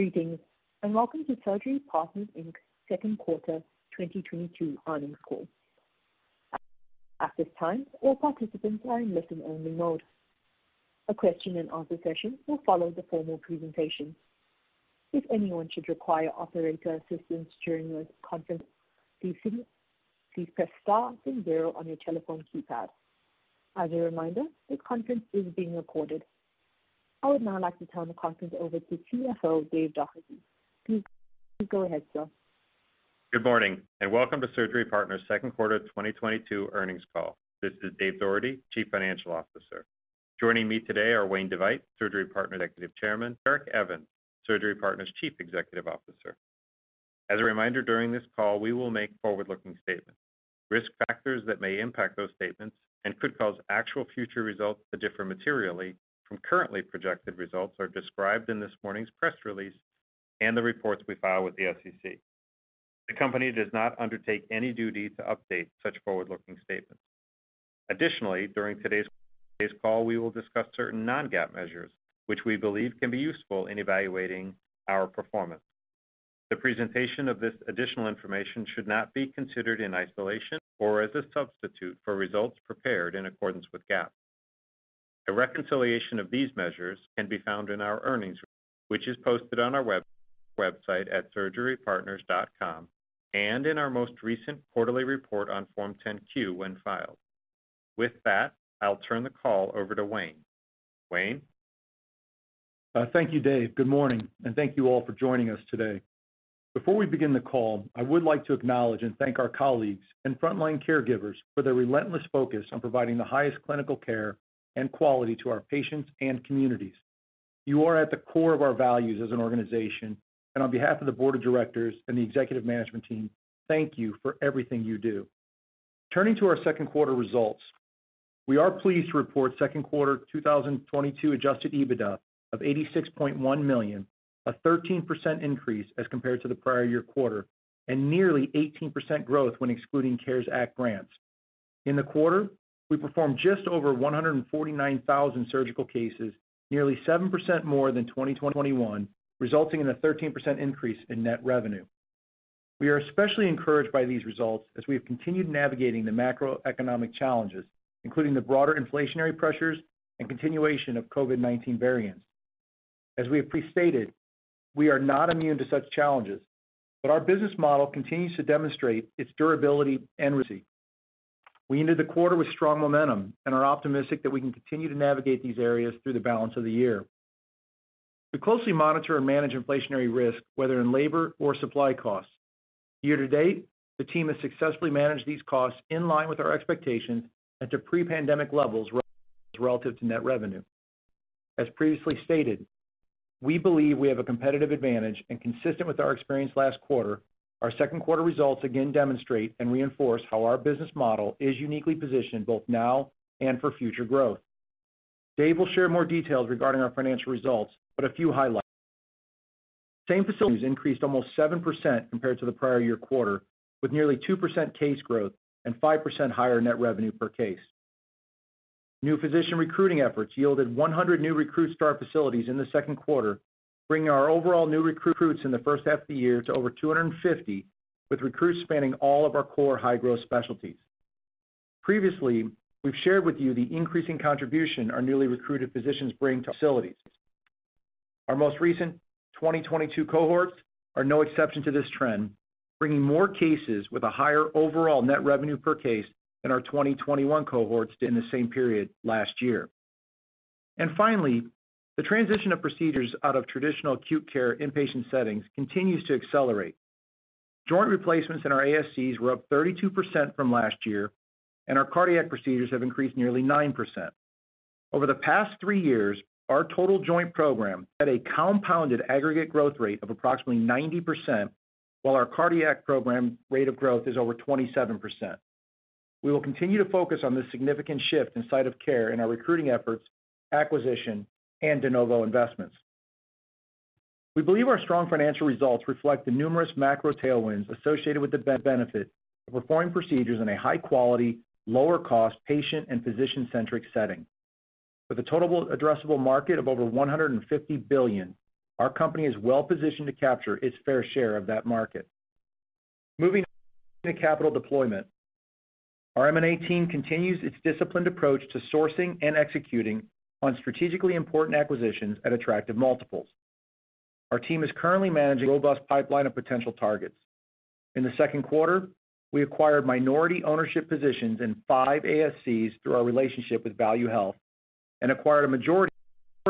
Greetings, and welcome to Surgery Partners, Inc.'s second quarter 2022 earnings call. At this time, all participants are in listen-only mode. A question and answer session will follow the formal presentation. If anyone should require operator assistance during the conference, please press star then zero on your telephone keypad. As a reminder, this conference is being recorded. I would now like to turn the conference over to CFO Dave Doherty. Please go ahead, sir. Good morning, and welcome to Surgery Partners' second quarter 2022 earnings call. This is Dave Doherty, Chief Financial Officer. Joining me today are Wayne DeVeydt, Surgery Partners' Executive Chairman, Eric Evans, Surgery Partners' Chief Executive Officer. As a reminder, during this call, we will make forward-looking statements. Risk factors that may impact those statements and could cause actual future results to differ materially from currently projected results are described in this morning's press release and the reports we file with the SEC. The company does not undertake any duty to update such forward-looking statements. Additionally, during today's call, we will discuss certain non-GAAP measures which we believe can be useful in evaluating our performance. The presentation of this additional information should not be considered in isolation or as a substitute for results prepared in accordance with GAAP. A reconciliation of these measures can be found in our earnings, which is posted on our website at surgerypartners.com and in our most recent quarterly report on Form 10-Q when filed. With that, I'll turn the call over to Wayne DeVeydt. Thank you, Dave. Good morning, and thank you all for joining us today. Before we begin the call, I would like to acknowledge and thank our colleagues and frontline caregivers for their relentless focus on providing the highest clinical care and quality to our patients and communities. You are at the core of our values as an organization, and on behalf of the board of directors and the executive management team, thank you for everything you do. Turning to our second quarter results, we are pleased to report second quarter 2022 adjusted EBITDA of $86.1 million, a 13% increase as compared to the prior year quarter and nearly 18% growth when excluding CARES Act grants. In the quarter, we performed just over 149,000 surgical cases, nearly 7% more than 2021, resulting in a 13% increase in net revenue. We are especially encouraged by these results as we have continued navigating the macroeconomic challenges, including the broader inflationary pressures and continuation of COVID-19 variants. As we have previously stated, we are not immune to such challenges, but our business model continues to demonstrate its durability and resilience. We ended the quarter with strong momentum and are optimistic that we can continue to navigate these areas through the balance of the year. We closely monitor and manage inflationary risk, whether in labor or supply costs. Year to date, the team has successfully managed these costs in line with our expectations and to pre-pandemic levels relative to net revenue. As previously stated, we believe we have a competitive advantage and consistent with our experience last quarter, our second quarter results again demonstrate and reinforce how our business model is uniquely positioned both now and for future growth. Dave will share more details regarding our financial results, but a few highlights. Same facilities increased almost 7% compared to the prior year quarter, with nearly 2% case growth and 5% higher net revenue per case. New physician recruiting efforts yielded 100 new recruits to our facilities in the second quarter, bringing our overall new recruits in the first half of the year to over 250, with recruits spanning all of our core high-growth specialties. Previously, we've shared with you the increasing contribution our newly recruited physicians bring to facilities. Our most recent 2022 cohorts are no exception to this trend, bringing more cases with a higher overall net revenue per case than our 2021 cohorts did in the same period last year. Finally, the transition of procedures out of traditional acute care inpatient settings continues to accelerate. Joint replacements in our ASCs were up 32% from last year, and our cardiac procedures have increased nearly 9%. Over the past three years, our total joint program had a compounded aggregate growth rate of approximately 90%, while our cardiac program rate of growth is over 27%. We will continue to focus on this significant shift in site of care in our recruiting efforts, acquisition, and de novo investments. We believe our strong financial results reflect the numerous macro tailwinds associated with the benefit of performing procedures in a high quality, lower cost patient and physician centric setting. With a total addressable market of over $150 billion, our company is well-positioned to capture its fair share of that market. Moving to capital deployment. Our M&A team continues its disciplined approach to sourcing and executing on strategically important acquisitions at attractive multiples. Our team is currently managing a robust pipeline of potential targets. In the second quarter, we acquired minority ownership positions in five ASCs through our relationship with ValueHealth and acquired a majority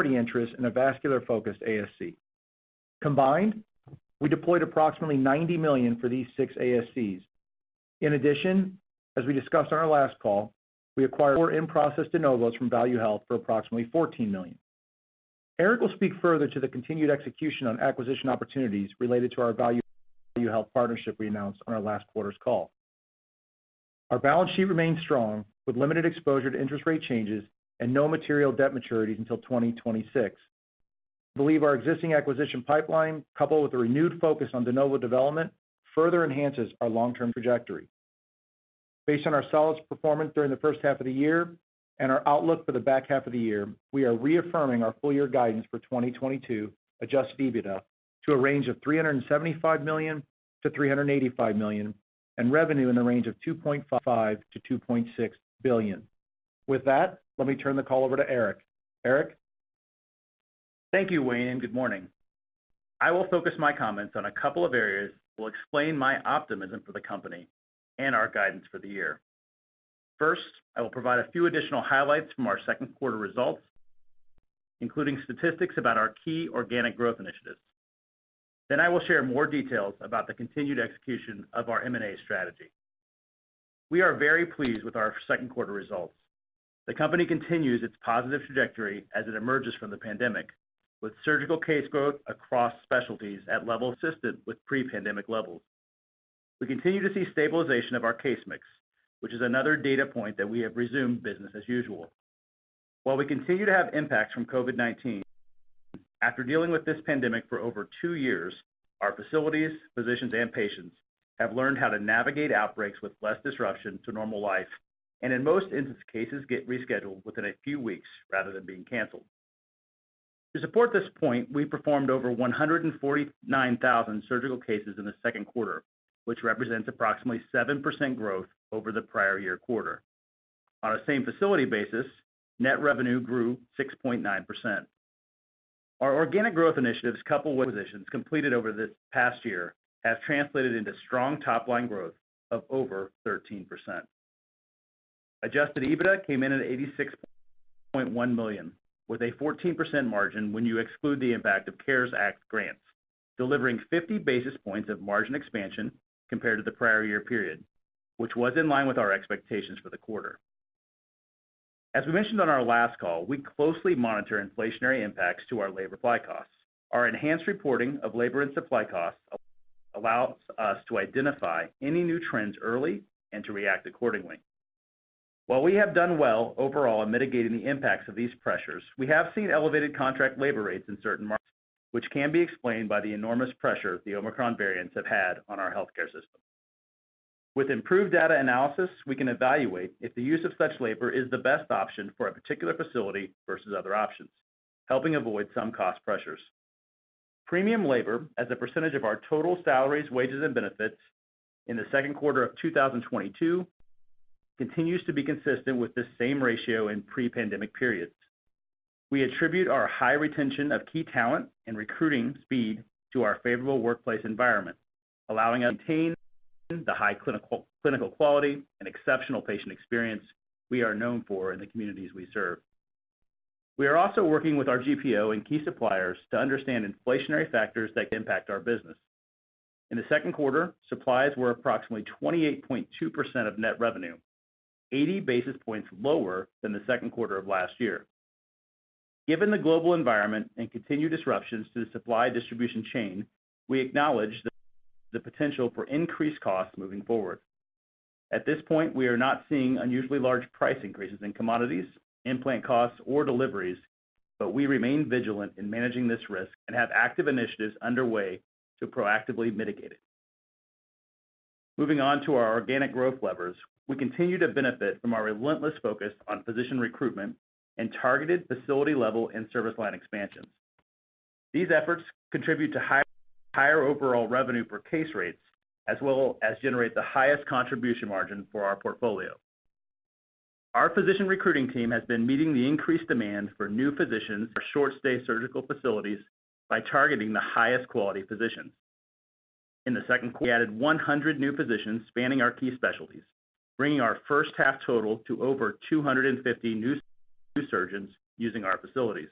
interest in a vascular-focused ASC. Combined, we deployed approximately $90 million for these six ASCs. In addition, as we discussed on our last call, we acquired four in-process de novos from ValueHealth for approximately $14 million. Eric will speak further to the continued execution on acquisition opportunities related to our ValueHealth partnership we announced on our last quarter's call. Our balance sheet remains strong, with limited exposure to interest rate changes and no material debt maturities until 2026. We believe our existing acquisition pipeline, coupled with a renewed focus on de novo development, further enhances our long-term trajectory. Based on our solid performance during the first half of the year and our outlook for the back half of the year, we are reaffirming our full year guidance for 2022 adjusted EBITDA to a range of $375 million-$385 million, and revenue in the range of $2.5 billion-$2.6 billion. With that, let me turn the call over to Eric. Eric? Thank you, Wayne, and good morning. I will focus my comments on a couple of areas that will explain my optimism for the company and our guidance for the year. First, I will provide a few additional highlights from our second quarter results, including statistics about our key organic growth initiatives. Then I will share more details about the continued execution of our M&A strategy. We are very pleased with our second quarter results. The company continues its positive trajectory as it emerges from the pandemic, with surgical case growth across specialties at level consistent with pre-pandemic levels. We continue to see stabilization of our case mix, which is another data point that we have resumed business as usual. While we continue to have impacts from COVID-19, after dealing with this pandemic for over two years, our facilities, physicians, and patients have learned how to navigate outbreaks with less disruption to normal life, and in most instances, cases get rescheduled within a few weeks rather than being canceled. To support this point, we performed over 149,000 surgical cases in the second quarter, which represents approximately 7% growth over the prior year quarter. On a same facility basis, net revenue grew 6.9%. Our organic growth initiatives, coupled with acquisitions completed over this past year, have translated into strong top-line growth of over 13%. Adjusted EBITDA came in at $86.1 million, with a 14% margin when you exclude the impact of CARES Act grants, delivering 50 basis points of margin expansion compared to the prior year period, which was in line with our expectations for the quarter. As we mentioned on our last call, we closely monitor inflationary impacts to our labor supply costs. Our enhanced reporting of labor and supply costs allows us to identify any new trends early and to react accordingly. While we have done well overall in mitigating the impacts of these pressures, we have seen elevated contract labor rates in certain markets, which can be explained by the enormous pressure the Omicron variants have had on our healthcare system. With improved data analysis, we can evaluate if the use of such labor is the best option for a particular facility versus other options, helping avoid some cost pressures. Premium labor as a percentage of our total salaries, wages, and benefits in the second quarter of 2022 continues to be consistent with this same ratio in pre-pandemic periods. We attribute our high retention of key talent and recruiting speed to our favorable workplace environment, allowing us to maintain the high clinical quality and exceptional patient experience we are known for in the communities we serve. We are also working with our GPO and key suppliers to understand inflationary factors that can impact our business. In the second quarter, supplies were approximately 28.2% of net revenue, 80 basis points lower than the second quarter of last year. Given the global environment and continued disruptions to the supply chain, we acknowledge the potential for increased costs moving forward. At this point, we are not seeing unusually large price increases in commodities, implant costs, or deliveries, but we remain vigilant in managing this risk and have active initiatives underway to proactively mitigate it. Moving on to our organic growth levers. We continue to benefit from our relentless focus on physician recruitment and targeted facility level and service line expansion. These efforts contribute to higher overall revenue per case rates as well as generate the highest contribution margin for our portfolio. Our physician recruiting team has been meeting the increased demand for new physicians for short-stay surgical facilities by targeting the highest quality physicians. In the second quarter, we added 100 new physicians spanning our key specialties, bringing our first half total to over 250 new surgeons using our facilities.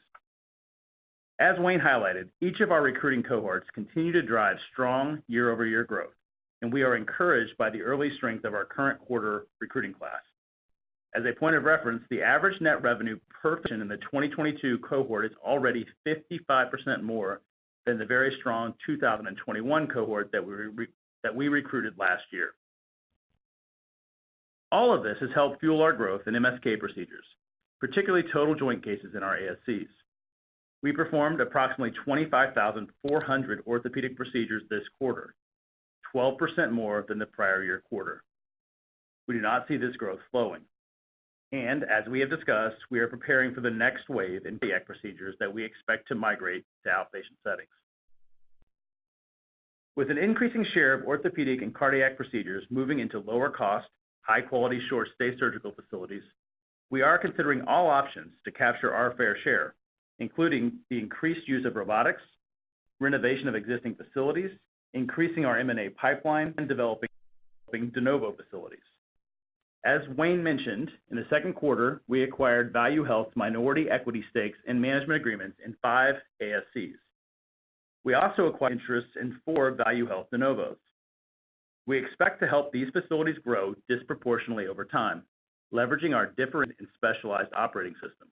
As Wayne highlighted, each of our recruiting cohorts continue to drive strong year-over-year growth, and we are encouraged by the early strength of our current quarter recruiting class. As a point of reference, the average net revenue per physician in the 2022 cohort is already 55% more than the very strong 2021 cohort that we recruited last year. All of this has helped fuel our growth in MSK procedures, particularly total joint cases in our ASCs. We performed approximately 25,400 orthopedic procedures this quarter, 12% more than the prior year quarter. We do not see this growth slowing. As we have discussed, we are preparing for the next wave in cardiac procedures that we expect to migrate to outpatient settings. With an increasing share of orthopedic and cardiac procedures moving into lower cost, high-quality, short-stay surgical facilities, we are considering all options to capture our fair share, including the increased use of robotics, renovation of existing facilities, increasing our M&A pipeline, and developing de novo facilities. As Wayne mentioned, in the second quarter, we acquired ValueHealth minority equity stakes and management agreements in five ASCs. We also acquired interests in four ValueHealth de novos. We expect to help these facilities grow disproportionately over time, leveraging our different and specialized operating system.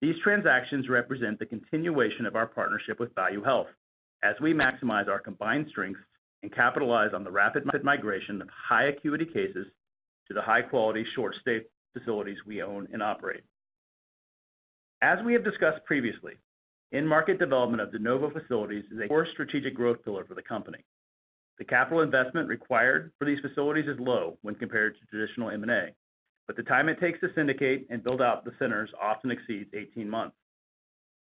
These transactions represent the continuation of our partnership with ValueHealth as we maximize our combined strengths and capitalize on the rapid migration of high acuity cases to the high-quality, short-stay facilities we own and operate. As we have discussed previously, in-market development of de novo facilities is a core strategic growth pillar for the company. The capital investment required for these facilities is low when compared to traditional M&A, but the time it takes to syndicate and build out the centers often exceeds 18 months.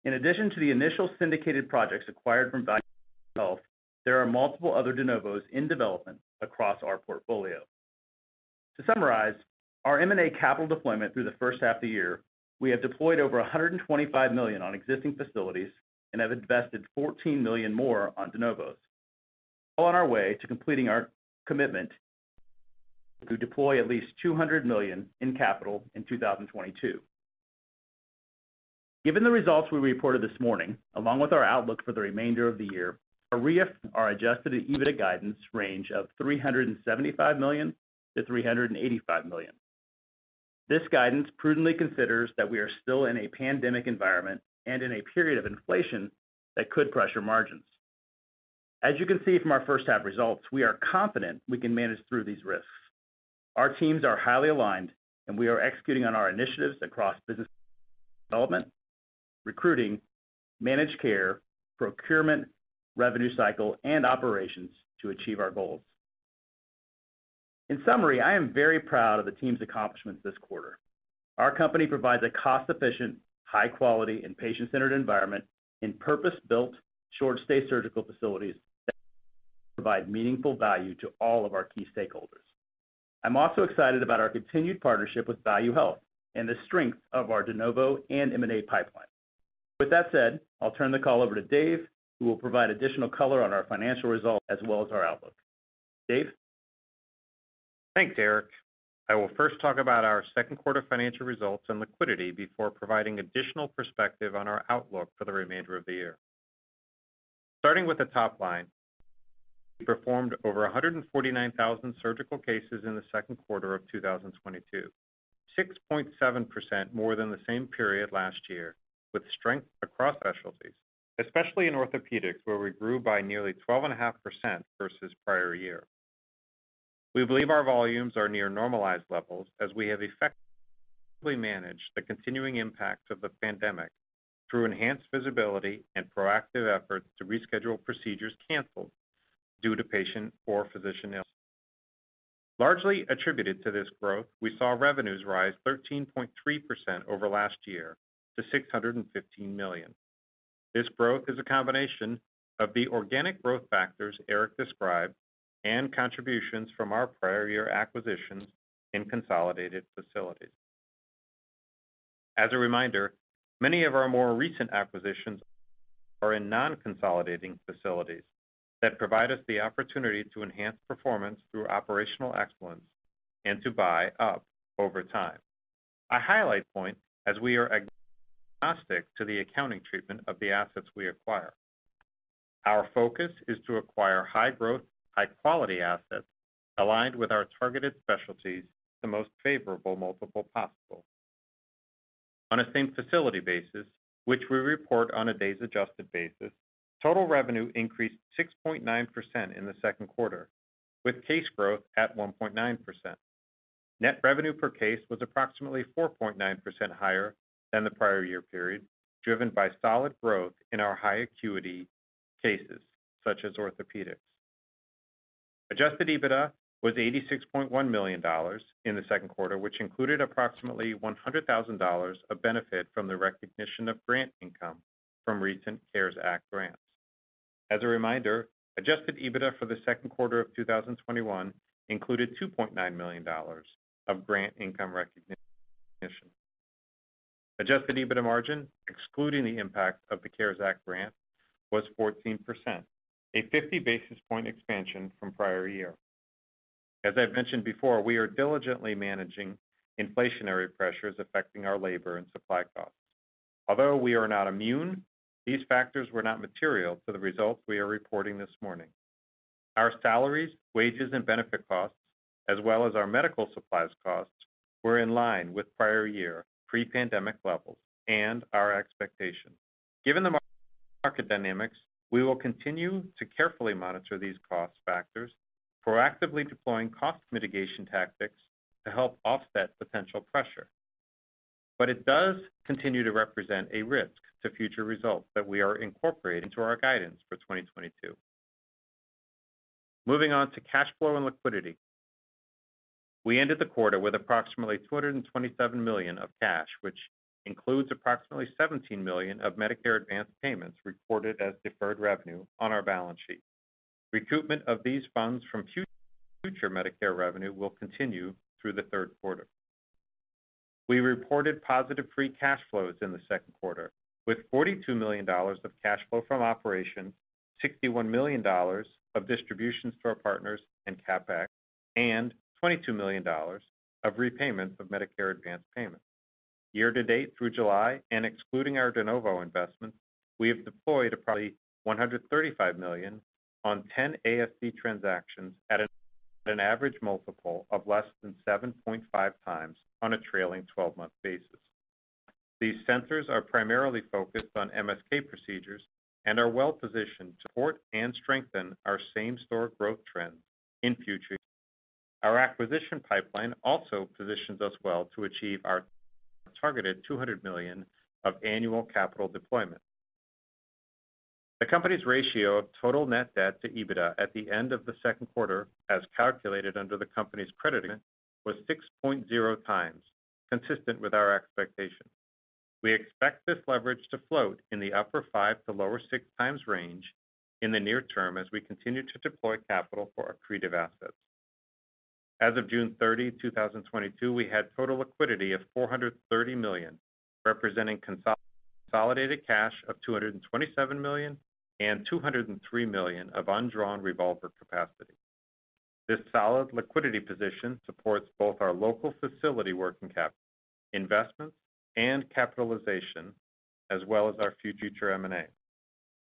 In addition to the initial syndicated projects acquired from ValueHealth, there are multiple other de novos in development across our portfolio. To summarize, our M&A capital deployment through the first half of the year, we have deployed over $125 million on existing facilities and have invested $14 million more on de novos. Well on our way to completing our commitment to deploy at least $200 million in capital in 2022. Given the results we reported this morning, along with our outlook for the remainder of the year, our Adjusted EBITDA guidance range of $375 million-$385 million. This guidance prudently considers that we are still in a pandemic environment and in a period of inflation that could pressure margins. As you can see from our first half results, we are confident we can manage through these risks. Our teams are highly aligned, and we are executing on our initiatives across business development, recruiting, managed care, procurement, revenue cycle, and operations to achieve our goals. In summary, I am very proud of the team's accomplishments this quarter. Our company provides a cost-efficient, high quality, and patient-centered environment in purpose-built, short-stay surgical facilities that provide meaningful value to all of our key stakeholders. I'm also excited about our continued partnership with ValueHealth and the strength of our de novo and M&A pipeline. With that said, I'll turn the call over to Dave, who will provide additional color on our financial results as well as our outlook. Dave? Thanks, Eric. I will first talk about our second quarter financial results and liquidity before providing additional perspective on our outlook for the remainder of the year. Starting with the top line, we performed over 149,000 surgical cases in the second quarter of 2022, 6.7% more than the same period last year, with strength across specialties, especially in orthopedics, where we grew by nearly 12.5% versus prior year. We believe our volumes are near normalized levels as we have effectively managed the continuing impact of the pandemic through enhanced visibility and proactive efforts to reschedule procedures canceled due to patient or physician illness. Largely attributed to this growth, we saw revenues rise 13.3% over last year to $615 million. This growth is a combination of the organic growth factors Eric described and contributions from our prior year acquisitions in consolidated facilities. As a reminder, many of our more recent acquisitions are in non-consolidating facilities that provide us the opportunity to enhance performance through operational excellence and to buy up over time. A highlight point as we are agnostic to the accounting treatment of the assets we acquire. Our focus is to acquire high-growth, high-quality assets aligned with our targeted specialties at the most favorable multiple possible. On a same-facility basis, which we report on a days adjusted basis, total revenue increased 6.9% in the second quarter, with case growth at 1.9%. Net revenue per case was approximately 4.9% higher than the prior year period, driven by solid growth in our high acuity cases, such as orthopedics. Adjusted EBITDA was $86.1 million in the second quarter, which included approximately $100,000 of benefit from the recognition of grant income from recent CARES Act grants. As a reminder, adjusted EBITDA for the second quarter of 2021 included $2.9 million of grant income recognition. Adjusted EBITDA margin, excluding the impact of the CARES Act grant, was 14%, a 50 basis points expansion from prior year. As I've mentioned before, we are diligently managing inflationary pressures affecting our labor and supply costs. Although we are not immune, these factors were not material to the results we are reporting this morning. Our salaries, wages, and benefit costs, as well as our medical supplies costs, were in line with prior year pre-pandemic levels and our expectations. Given the market dynamics, we will continue to carefully monitor these cost factors, proactively deploying cost mitigation tactics to help offset potential pressure. It does continue to represent a risk to future results that we are incorporating into our guidance for 2022. Moving on to cash flow and liquidity. We ended the quarter with approximately $227 million of cash, which includes approximately $17 million of Medicare advanced payments reported as deferred revenue on our balance sheet. Recoupment of these funds from future Medicare revenue will continue through the third quarter. We reported positive free cash flows in the second quarter, with $42 million of cash flow from operations, $61 million of distributions to our partners and CapEx, and $22 million of repayment of Medicare advanced payments. Year-to-date through July and excluding our de novo investment, we have deployed approximately $135 million on 10 ASC transactions at an average multiple of less than 7.5x on a trailing twelve-month basis. These centers are primarily focused on MSK procedures and are well-positioned to support and strengthen our same-store growth trend in future years. Our acquisition pipeline also positions us well to achieve our targeted $200 million of annual capital deployment. The company's ratio of total net debt to EBITDA at the end of the second quarter, as calculated under the company's credit agreement, was 6.0x, consistent with our expectation. We expect this leverage to float in the upper 5x-lower 6x range in the near term as we continue to deploy capital for accretive assets. As of June 30, 2022, we had total liquidity of $430 million, representing consolidated cash of $227 million and $203 million of undrawn revolver capacity. This solid liquidity position supports both our local facility working capital, investments, and capitalization, as well as our future M&A.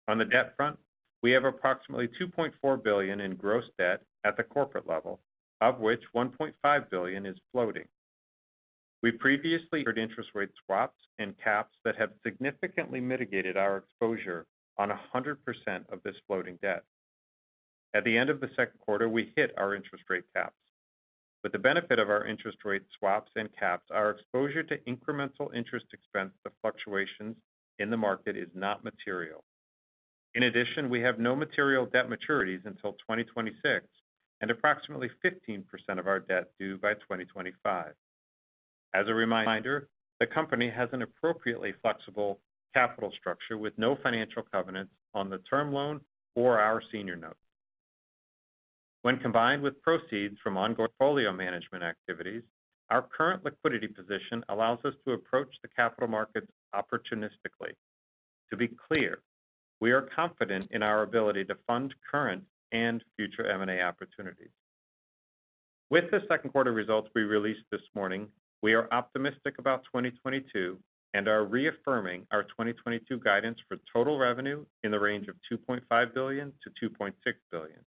On the debt front, we have approximately $2.4 billion in gross debt at the corporate level, of which $1.5 billion is floating. We previously entered interest rate swaps and caps that have significantly mitigated our exposure on 100% of this floating debt. At the end of the second quarter, we hit our interest rate caps. With the benefit of our interest rate swaps and caps, our exposure to incremental interest expense to fluctuations in the market is not material. In addition, we have no material debt maturities until 2026 and approximately 15% of our debt due by 2025. As a reminder, the company has an appropriately flexible capital structure with no financial covenants on the term loan or our senior note. When combined with proceeds from ongoing portfolio management activities, our current liquidity position allows us to approach the capital markets opportunistically. To be clear, we are confident in our ability to fund current and future M&A opportunities. With the second quarter results we released this morning, we are optimistic about 2022 and are reaffirming our 2022 guidance for total revenue in the range of $2.5 billion-$2.6 billion.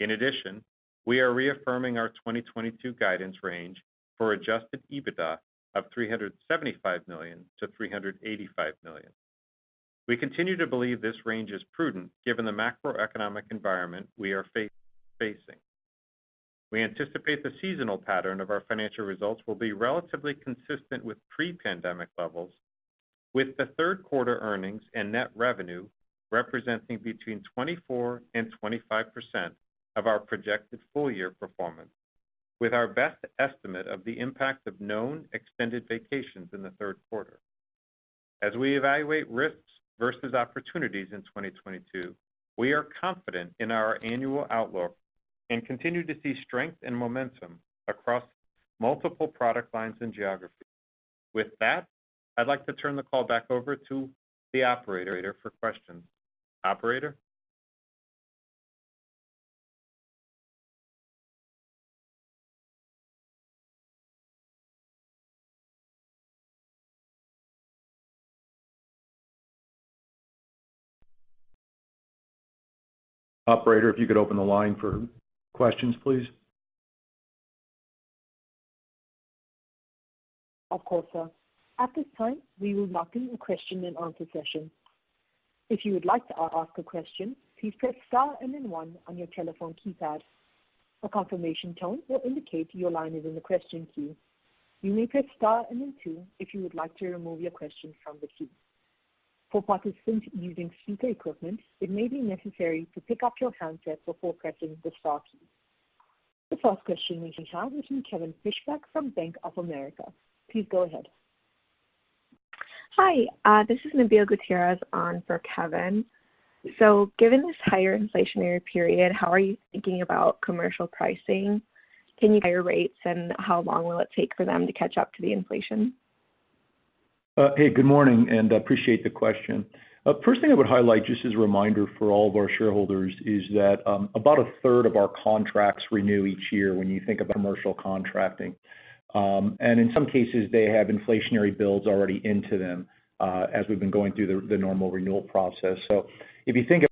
In addition, we are reaffirming our 2022 guidance range for Adjusted EBITDA of $375 million-$385 million. We continue to believe this range is prudent given the macroeconomic environment we are facing. We anticipate the seasonal pattern of our financial results will be relatively consistent with pre-pandemic levels, with the third quarter earnings and net revenue representing between 24% and 25% of our projected full year performance, with our best estimate of the impact of known extended vacations in the third quarter. As we evaluate risks versus opportunities in 2022, we are confident in our annual outlook and continue to see strength and momentum across multiple product lines and geographies. With that, I'd like to turn the call back over to the operator for questions. Operator. Operator, if you could open the line for questions, please. Of course, sir. At this time, we will now begin the question and answer session. If you would like to ask a question, please press star and then one on your telephone keypad. A confirmation tone will indicate your line is in the question queue. You may press star and then two if you would like to remove your question from the queue. For participants using speaker equipment, it may be necessary to pick up your handset before pressing the star key. The first question we have is from Kevin Fischbeck from Bank of America. Please go ahead. Hi. This is Nabil Gutierrez on for Kevin. Given this higher inflationary period, how are you thinking about commercial pricing? Can you hike rates, and how long will it take for them to catch up to the inflation? Hey, good morning, and I appreciate the question. First thing I would highlight, just as a reminder for all of our shareholders, is that about a third of our contracts renew each year when you think about commercial contracting. In some cases, they have inflationary bills already into them, as we've been going through the normal renewal process. If you think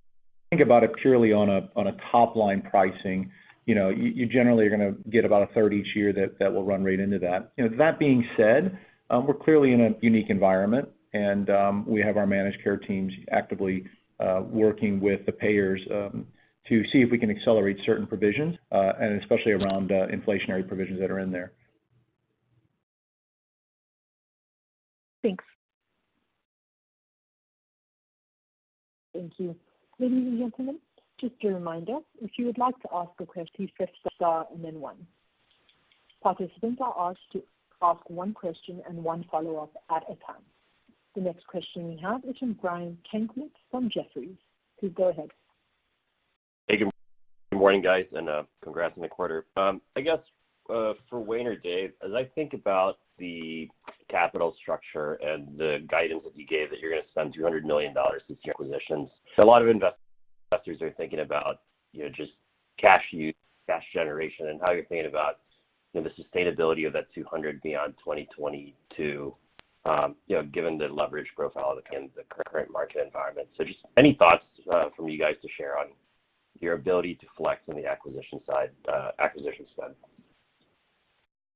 about it purely on a top-line pricing, you know, you generally are gonna get about a third each year that will run right into that. You know, that being said, we're clearly in a unique environment and we have our managed care teams actively working with the payers to see if we can accelerate certain provisions and especially around inflationary provisions that are in there. Thanks. Thank you. Ladies and gentlemen, just a reminder, if you would like to ask a question, please press star and then one. Participants are asked to ask one question and one follow-up at a time. The next question we have is from Brian Tanquilut from Jefferies. Please go ahead. Hey, good morning, guys, and congrats on the quarter. I guess, for Wayne or Dave, as I think about the capital structure and the guidance that you gave, that you're gonna spend $200 million in acquisitions, a lot of investors are thinking about, you know, just cash use, cash generation and how you're thinking about, you know, the sustainability of that $200 beyond 2022, you know, given the leverage profile that in the current market environment. Just any thoughts, from you guys to share on your ability to flex on the acquisition side, acquisition spend?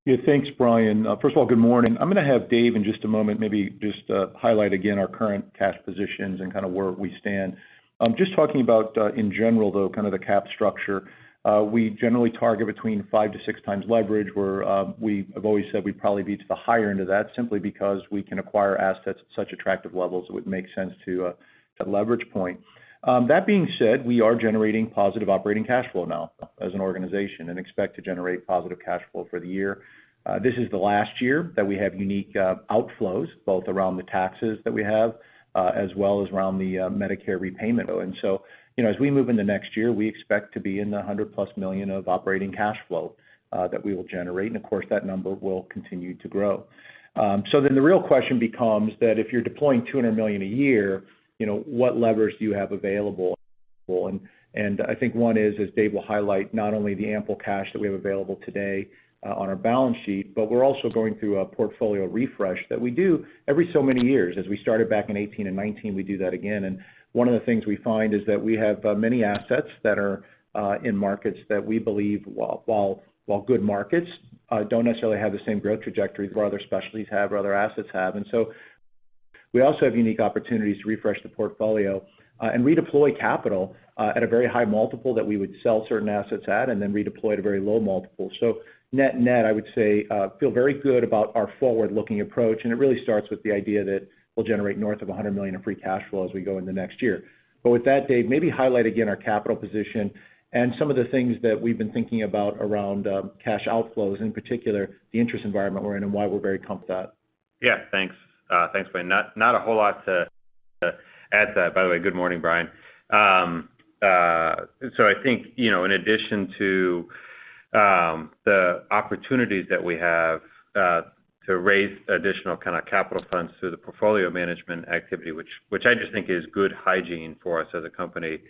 Yeah. Thanks, Brian. First of all, good morning. I'm gonna have Dave in just a moment maybe just highlight again our current cash positions and kinda where we stand. Just talking about in general, though, kind of the cap structure. We generally target between 5x-6x leverage, where we have always said we'd probably be to the higher end of that simply because we can acquire assets at such attractive levels, it would make sense to that leverage point. That being said, we are generating positive operating cash flow now as an organization and expect to generate positive cash flow for the year. This is the last year that we have unique outflows, both around the taxes that we have as well as around the Medicare repayment. You know, as we move into next year, we expect to be in the $100+ million of operating cash flow that we will generate. Of course, that number will continue to grow. The real question becomes that if you're deploying $200 million a year, you know, what levers do you have available? I think one is, as Dave will highlight, not only the ample cash that we have available today on our balance sheet, but we're also going through a portfolio refresh that we do every so many years. As we started back in 2018 and 2019, we do that again. One of the things we find is that we have many assets that are in markets that we believe, while good markets, don't necessarily have the same growth trajectory as our other specialties have or other assets have. We also have unique opportunities to refresh the portfolio, and redeploy capital at a very high multiple that we would sell certain assets at and then redeploy at a very low multiple. Net-net, I would say feel very good about our forward-looking approach, and it really starts with the idea that we'll generate north of $100 million in free cash flow as we go in the next year. With that, Dave, maybe highlight again our capital position and some of the things that we've been thinking about around cash outflows, in particular, the interest environment we're in and why we're very comfortable with that. Yeah, thanks. Thanks, Brian. Not a whole lot to add to that. By the way, good morning, Brian. So I think, you know, in addition to the opportunities that we have to raise additional kinda capital funds through the portfolio management activity, which I just think is good hygiene for us as a company,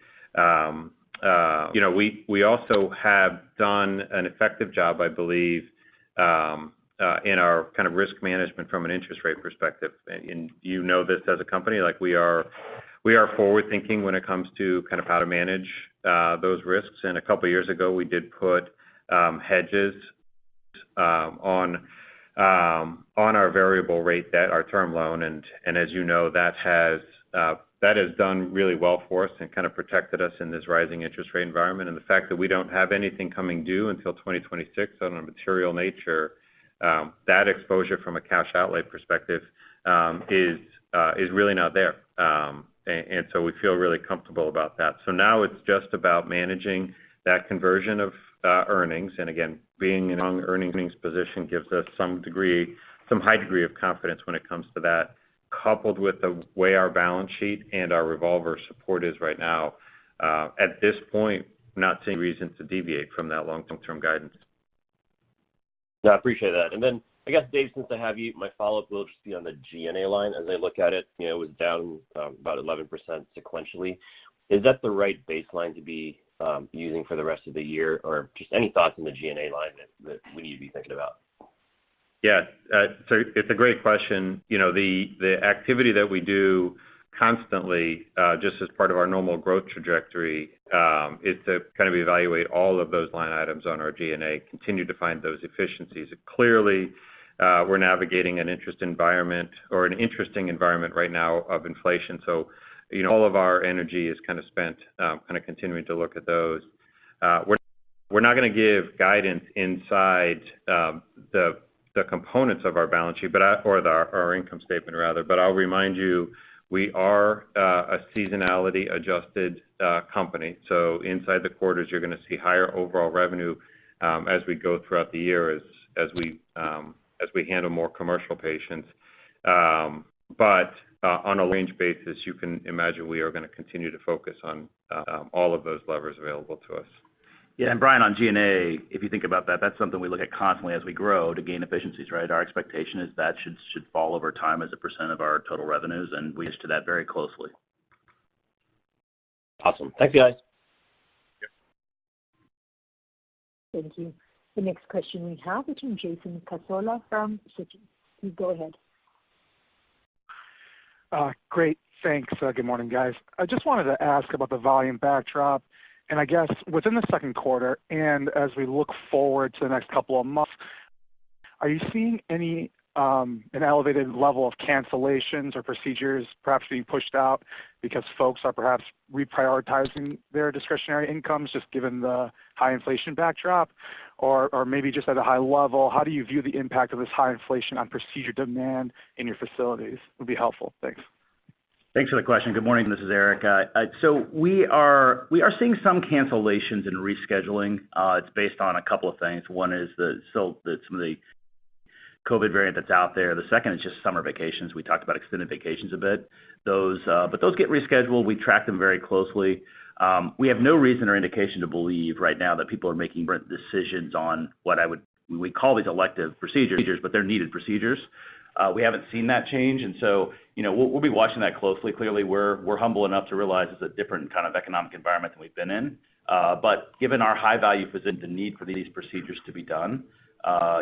you know, we also have done an effective job, I believe, in our kind of risk management from an interest rate perspective. You know this as a company, like we are forward-thinking when it comes to kind of how to manage those risks. A couple years ago, we did put hedges on our variable rate debt, our term loan, and as you know, that has done really well for us and kinda protected us in this rising interest rate environment. The fact that we don't have anything coming due until 2026 on a material nature, that exposure from a cash outlay perspective is really not there. We feel really comfortable about that. Now it's just about managing that conversion of earnings. Again, being in an earnings position gives us some degree, some high degree of confidence when it comes to that, coupled with the way our balance sheet and our revolver support is right now. At this point, not seeing reason to deviate from that long-term guidance. Yeah, I appreciate that. I guess, Dave, since I have you, my follow-up will just be on the G&A line as I look at it, you know, was down about 11% sequentially. Is that the right baseline to be using for the rest of the year? Or just any thoughts on the G&A line that we need to be thinking about? Yeah. So it's a great question. You know, the activity that we do constantly, just as part of our normal growth trajectory, is to kinda evaluate all of those line items on our G&A, continue to find those efficiencies. Clearly, we're navigating an interest environment or an interesting environment right now of inflation. So, you know, all of our energy is kinda spent, kinda continuing to look at those. We're not gonna give guidance inside the components of our balance sheet, but or our income statement rather, but I'll remind you, we are a seasonally adjusted company. So inside the quarters, you're gonna see higher overall revenue, as we go throughout the year, as we handle more commercial patients. On a range basis, you can imagine we are gonna continue to focus on all of those levers available to us. Yeah. Brian, on G&A, if you think about that's something we look at constantly as we grow to gain efficiencies, right? Our expectation is that should fall over time as a percent of our total revenues, and we manage to that very closely. Awesome. Thanks, guys. Thank you. The next question we have is from Jason Cassorla from Citi. Please go ahead. Great. Thanks. Good morning, guys. I just wanted to ask about the volume backdrop. I guess within the second quarter and as we look forward to the next couple of months, are you seeing any an elevated level of cancellations or procedures perhaps being pushed out because folks are perhaps reprioritizing their discretionary incomes, just given the high inflation backdrop? Or maybe just at a high level, how do you view the impact of this high inflation on procedure demand in your facilities? Would be helpful. Thanks. Thanks for the question. Good morning, this is Eric. So we are seeing some cancellations and rescheduling. It's based on a couple of things. One is some of the COVID variant that's out there. The second is just summer vacations. We talked about extended vacations a bit. Those get rescheduled. We track them very closely. We have no reason or indication to believe right now that people are making different decisions on what we call these elective procedures, but they're needed procedures. We haven't seen that change. You know, we'll be watching that closely. Clearly, we're humble enough to realize it's a different kind of economic environment than we've been in. Given our high value presents a need for these procedures to be done,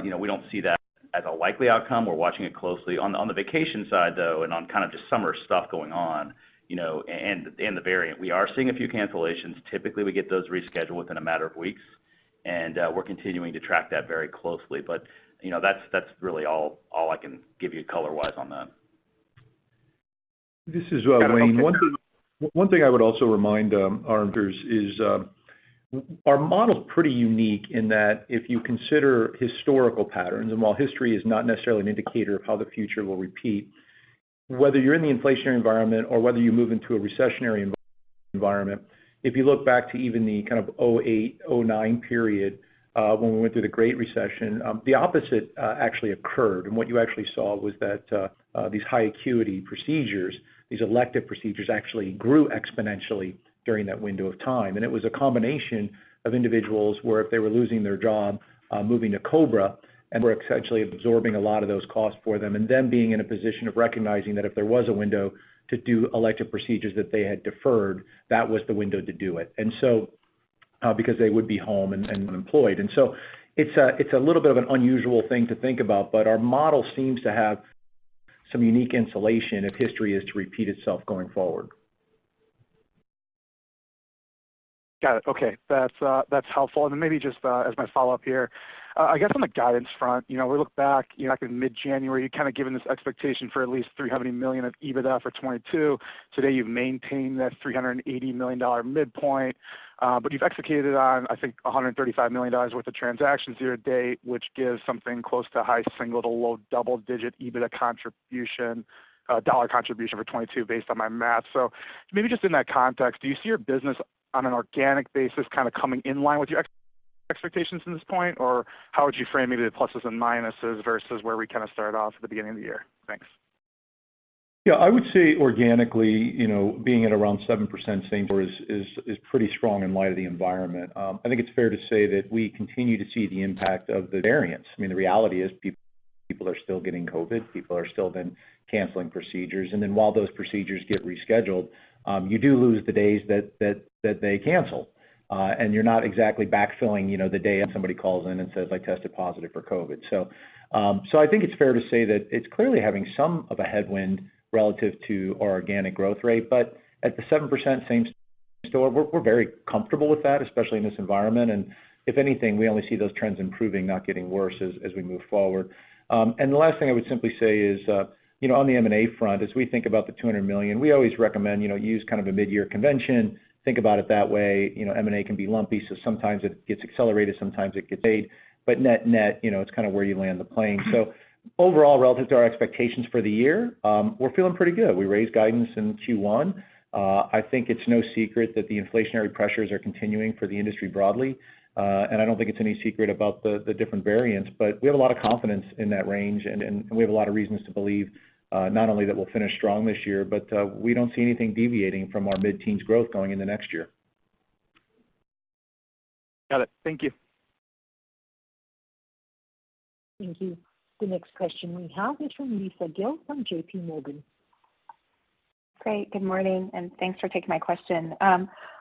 you know, we don't see that. As a likely outcome, we're watching it closely. On the vacation side, though, and on kind of just summer stuff going on, you know, and the variant, we are seeing a few cancellations. Typically, we get those rescheduled within a matter of weeks, and we're continuing to track that very closely. You know, that's really all I can give you color-wise on that. This is Wayne. One thing I would also remind our investors is our model's pretty unique in that if you consider historical patterns, and while history is not necessarily an indicator of how the future will repeat, whether you're in the inflationary environment or whether you move into a recessionary environment, if you look back to even the kind of 2008, 2009 period, when we went through the Great Recession, the opposite actually occurred. What you actually saw was that these high acuity procedures, these elective procedures actually grew exponentially during that window of time. It was a combination of individuals where if they were losing their job, moving to COBRA, and we're essentially absorbing a lot of those costs for them. Them being in a position of recognizing that if there was a window to do elective procedures that they had deferred, that was the window to do it. Because they would be home and unemployed. It's a little bit of an unusual thing to think about, but our model seems to have some unique insulation if history is to repeat itself going forward. Got it. Okay. That's helpful. Then maybe just as my follow-up here, I guess on the guidance front, you know, we look back, you know, back in mid-January, you'd kinda given this expectation for at least $300 million of EBITDA for 2022. Today, you've maintained that $380 million midpoint, but you've executed on, I think, $135 million worth of transactions year-to-date, which gives something close to high single- to low double-digit EBITDA contribution, dollar contribution for 2022 based on my math. Maybe just in that context, do you see your business on an organic basis kind of coming in line with your expectations from this point? Or how would you frame maybe the pluses and minuses versus where we kinda started off at the beginning of the year? Thanks. Yeah, I would say organically, you know, being at around 7% same store is pretty strong in light of the environment. I think it's fair to say that we continue to see the impact of the variants. I mean, the reality is people are still getting COVID. People are still then canceling procedures. While those procedures get rescheduled, you do lose the days that they cancel. You're not exactly backfilling, you know, the day somebody calls in and says, "I tested positive for COVID." I think it's fair to say that it's clearly having somewhat of a headwind relative to our organic growth rate. At the 7% same store, we're very comfortable with that, especially in this environment. If anything, we only see those trends improving, not getting worse as we move forward. The last thing I would simply say is, you know, on the M&A front, as we think about the $200 million, we always recommend, you know, use kind of a mid-year convention. Think about it that way. You know, M&A can be lumpy, so sometimes it gets accelerated, sometimes it gets paid. Net-net, you know, it's kinda where you land the plane. Overall, relative to our expectations for the year, we're feeling pretty good. We raised guidance in Q1. I think it's no secret that the inflationary pressures are continuing for the industry broadly. I don't think it's any secret about the different variants, but we have a lot of confidence in that range, and we have a lot of reasons to believe, not only that we'll finish strong this year, but we don't see anything deviating from our mid-teens growth going into next year. Got it. Thank you. Thank you. The next question we have is from Lisa Gill from JPMorgan. Great. Good morning, and thanks for taking my question.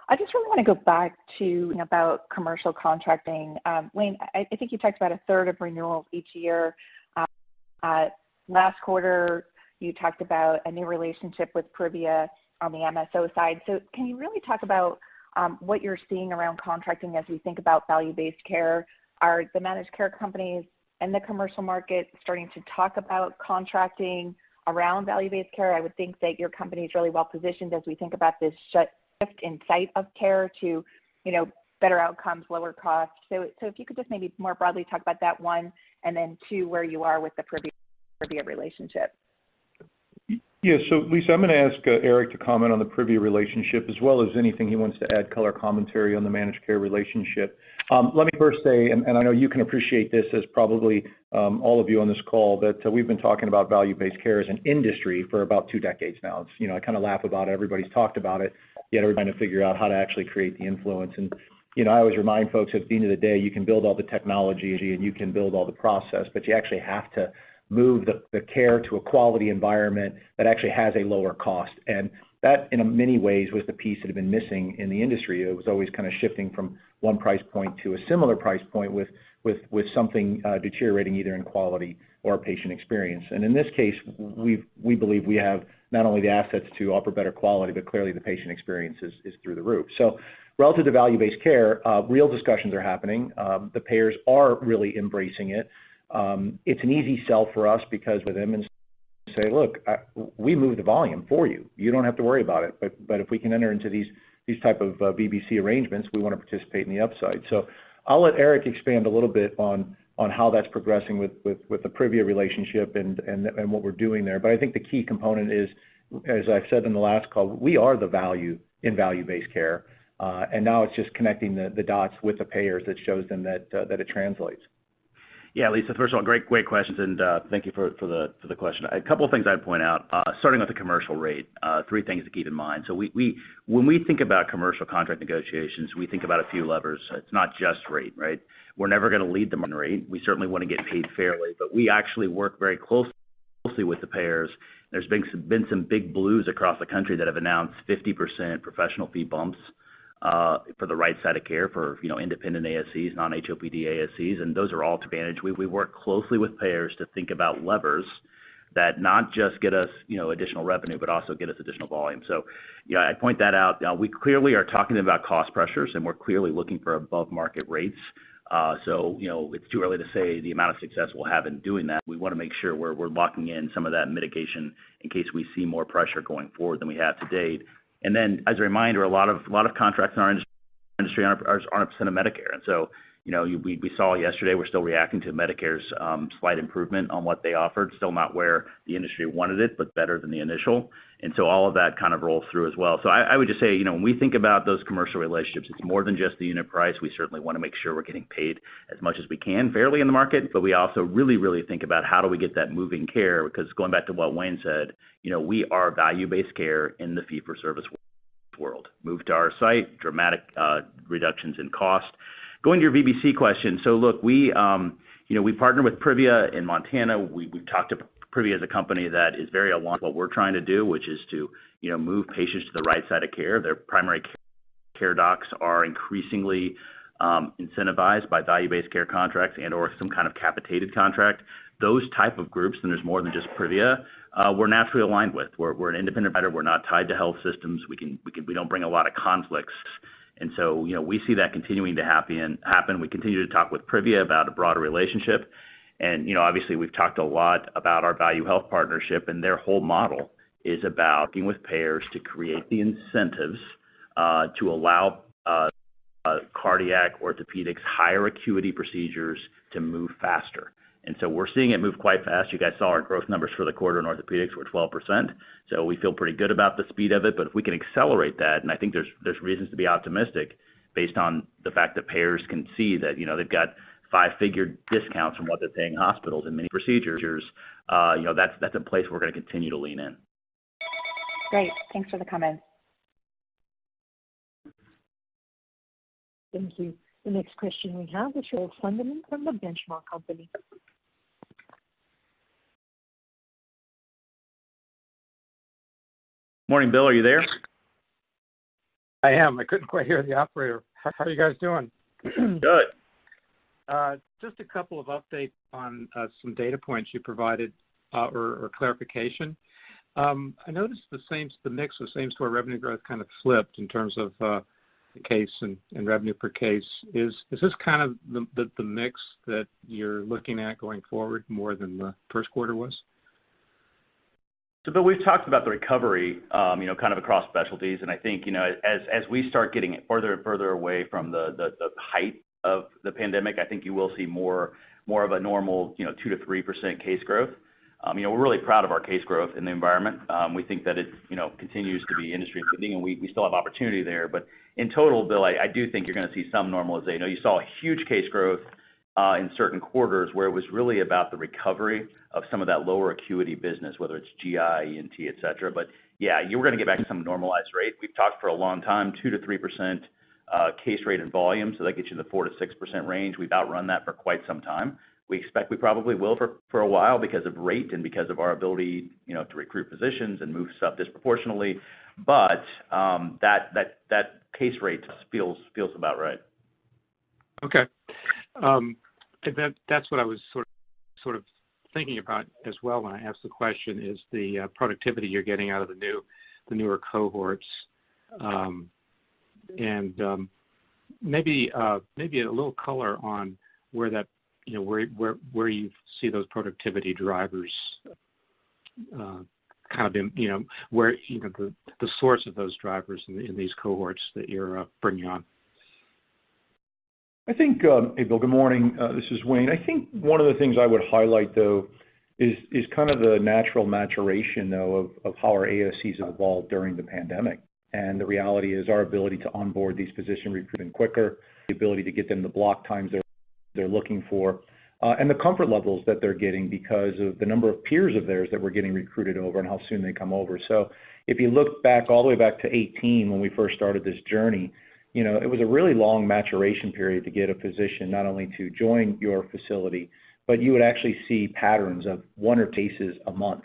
I just really wanna go back to about commercial contracting. Wayne, I think you talked about a third of renewals each year. Last quarter, you talked about a new relationship with Privia on the MSO side. Can you really talk about what you're seeing around contracting as we think about value-based care? Are the managed care companies and the commercial market starting to talk about contracting around value-based care? I would think that your company is really well positioned as we think about this shift in site of care to, you know, better outcomes, lower cost. If you could just maybe more broadly talk about that, one, and then, two, where you are with the Privia relationship. Yeah. Lisa, I'm gonna ask Eric to comment on the Privia relationship as well as anything he wants to add color commentary on the managed care relationship. Let me first say, I know you can appreciate this as probably all of you on this call, that we've been talking about value-based care as an industry for about two decades now. It's, you know, I kinda laugh about everybody's talked about it, yet we're trying to figure out how to actually create the influence. You know, I always remind folks at the end of the day, you can build all the technology, and you can build all the process, but you actually have to move the care to a quality environment that actually has a lower cost. That, in many ways, was the piece that had been missing in the industry. It was always kinda shifting from one price point to a similar price point with something deteriorating either in quality or patient experience. In this case, we believe we have not only the assets to offer better quality, but clearly the patient experience is through the roof. Relative to value-based care, real discussions are happening. The payers are really embracing it. It's an easy sell for us because we tell them and say, Look, we move the volume for you. You don't have to worry about it. If we can enter into these type of VBC arrangements, we wanna participate in the upside. I'll let Eric expand a little bit on how that's progressing with the Privia relationship and what we're doing there. I think the key component is, as I've said in the last call, we are the value in value-based care, and now it's just connecting the dots with the payers that shows them that it translates. Yeah, Lisa, first of all, great questions, and thank you for the question. A couple of things I'd point out, starting with the commercial rate, three things to keep in mind. When we think about commercial contract negotiations, we think about a few levers. It's not just rate, right? We're never gonna lead the rate. We certainly wanna get paid fairly, but we actually work very closely. Mostly with the payers. There's been some big Blues across the country that have announced 50% professional fee bumps for the right side of care for, you know, independent ASCs, non-HOPD ASCs, and those are all to advantage. We work closely with payers to think about levers that not just get us, you know, additional revenue, but also get us additional volume. Yeah, I point that out. We clearly are talking about cost pressures, and we're clearly looking for above-market rates. You know, it's too early to say the amount of success we'll have in doing that. We wanna make sure we're locking in some of that mitigation in case we see more pressure going forward than we have to date. As a reminder, a lot of contracts in our industry aren't a percent of Medicare. You know, we saw yesterday, we're still reacting to Medicare's slight improvement on what they offered. Still not where the industry wanted it, but better than the initial. All of that kind of rolls through as well. I would just say, you know, when we think about those commercial relationships, it's more than just the unit price. We certainly wanna make sure we're getting paid as much as we can fairly in the market, but we also really, really think about how do we get that moving care. Because going back to what Wayne said, you know, we are value-based care in the fee-for-service world. Move to our site, dramatic reductions in cost. Going to your VBC question. Look, you know, we partner with Privia in Montana. We've talked to Privia as a company that is very aligned with what we're trying to do, which is to, you know, move patients to the right side of care. Their primary care docs are increasingly incentivized by value-based care contracts and/or some kind of capitated contract. Those type of groups, and there's more than just Privia, we're naturally aligned with. We're an independent provider. We're not tied to health systems. We don't bring a lot of conflicts. You know, we see that continuing to happen. We continue to talk with Privia about a broader relationship. You know, obviously, we've talked a lot about our ValueHealth partnership, and their whole model is about working with payers to create the incentives to allow cardiac, orthopedics, higher acuity procedures to move faster. We're seeing it move quite fast. You guys saw our growth numbers for the quarter in orthopedics were 12%. We feel pretty good about the speed of it. If we can accelerate that, and I think there's reasons to be optimistic based on the fact that payers can see that, you know, they've got five-figure discounts from what they're paying hospitals in many procedures, you know, that's a place we're gonna continue to lean in. Great. Thanks for the comment. Thank you. The next question we have is from Bill Sutherland from The Benchmark Company. Morning, Bill. Are you there? I am. I couldn't quite hear the operator. How are you guys doing? Good. Just a couple of updates on some data points you provided, or clarification. I noticed the mix of same-store revenue growth kind of flipped in terms of the case and revenue per case. Is this kind of the mix that you're looking at going forward more than the first quarter was? Bill, we've talked about the recovery, you know, kind of across specialties. I think, you know, as we start getting further and further away from the height of the pandemic, I think you will see more of a normal, you know, 2%-3% case growth. You know, we're really proud of our case growth in the environment. We think that it, you know, continues to be industry leading, and we still have opportunity there. In total, Bill, I do think you're gonna see some normalization. I know you saw a huge case growth in certain quarters where it was really about the recovery of some of that lower acuity business, whether it's GI, ENT, et cetera. Yeah, you were gonna get back to some normalized rate. We've talked for a long time, 2%-3% case rate and volume, so that gets you in the 4%-6% range. We've outrun that for quite some time. We expect we probably will for a while because of rate and because of our ability, you know, to recruit physicians and move stuff disproportionately. That case rate feels about right. Okay. I bet that's what I was sort of thinking about as well when I asked the question is the productivity you're getting out of the newer cohorts. Maybe a little color on where that, you know, where you see those productivity drivers kind of in. You know, where you know the source of those drivers in these cohorts that you're bringing on. I think, Hey, Bill, good morning. This is Wayne. I think one of the things I would highlight, though, is kind of the natural maturation, though, of how our ASCs evolved during the pandemic. The reality is our ability to onboard these physician recruiting quicker, the ability to get them the block times they're looking for, and the comfort levels that they're getting because of the number of peers of theirs that we're getting recruited over and how soon they come over. If you look back all the way back to 2018 when we first started this journey, you know, it was a really long maturation period to get a physician not only to join your facility, but you would actually see patterns of one or two cases a month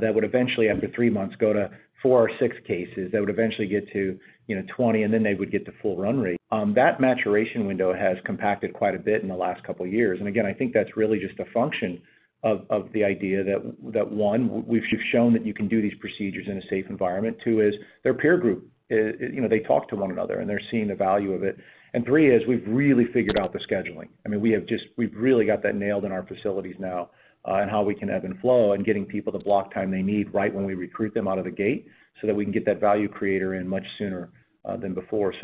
that would eventually, after three months, go to four or six cases that would eventually get to, you know, 20, and then they would get to full run rate. That maturation window has compacted quite a bit in the last couple years. Again, I think that's really just a function of the idea that one, we've shown that you can do these procedures in a safe environment. Two, is their peer group, you know, they talk to one another, and they're seeing the value of it. Three, is we've really figured out the scheduling. I mean, we've really got that nailed in our facilities now, and how we can ebb and flow and getting people the block time they need right when we recruit them out of the gate, so that we can get that value creator in much sooner than before.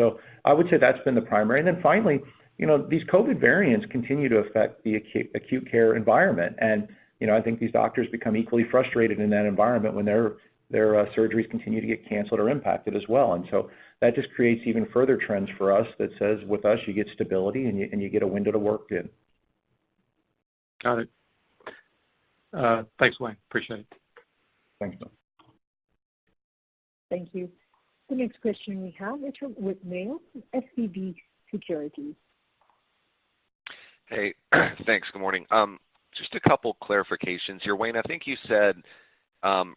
I would say that's been the primary. Then finally, you know, these COVID variants continue to affect the acute care environment. You know, I think these doctors become equally frustrated in that environment when their surgeries continue to get canceled or impacted as well. That just creates even further trends for us that says, with us, you get stability and you get a window to work in. Got it. Thanks, Wayne. Appreciate it. Thanks, Bill. Thank you. The next question we have is from Whit Mayo with SVB Securities. Hey. Thanks. Good morning. Just a couple clarifications here. Wayne, I think you said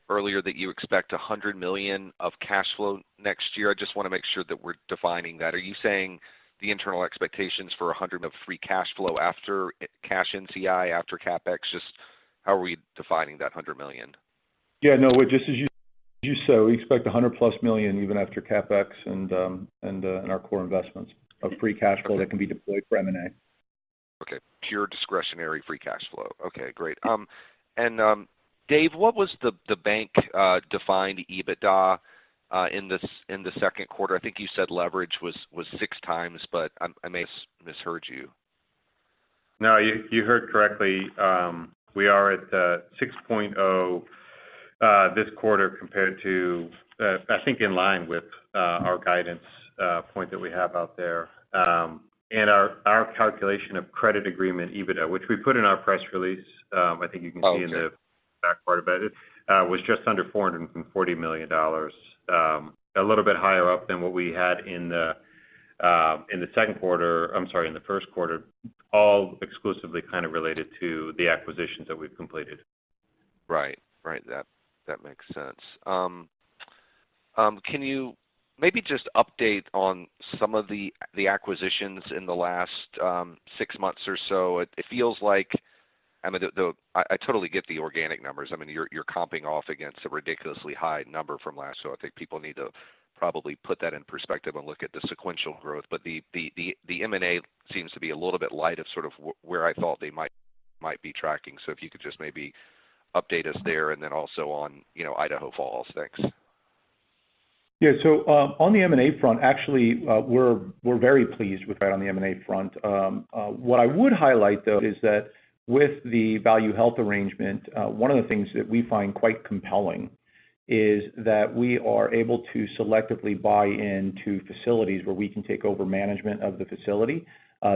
earlier that you expect $100 million of cash flow next year. I just wanna make sure that we're defining that. Are you saying the internal expectations for $100 million of free cash flow after cash NCI, after CapEx? Just how are we defining that $100 million? Yeah, no, Whit, just as you said, we expect $100+ million even after CapEx and our core investments of free cash flow that can be deployed for M&A. Okay. Pure discretionary free cash flow. Okay, great. Dave, what was the bank defined EBITDA in the second quarter? I think you said leverage was 6x, but I may misheard you. No, you heard correctly. We are at 6.0 this quarter compared to, I think, in line with our guidance point that we have out there. Our calculation of credit agreement EBITDA, which we put in our press release, I think you can see. Oh, okay. in the back part about it was just under $440 million, a little bit higher up than what we had in the first quarter, all exclusively kind of related to the acquisitions that we've completed. Right. That makes sense. Can you maybe just update on some of the acquisitions in the last six months or so? It feels like, I mean, I totally get the organic numbers. I mean, you're comping off against a ridiculously high number from last, so I think people need to probably put that in perspective and look at the sequential growth. The M&A seems to be a little bit light of sort of where I thought they might be tracking. If you could just maybe update us there, and then also on, you know, Idaho Falls. Thanks. On the M&A front, actually, we're very pleased with that on the M&A front. What I would highlight, though, is that with the ValueHealth arrangement, one of the things that we find quite compelling is that we are able to selectively buy into facilities where we can take over management of the facility.